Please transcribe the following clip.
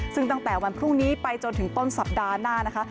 ซึ่งตั้งแต่วันพรุ่งนี้ไปจนถึงต้นสัปดาห์หน้านะคะ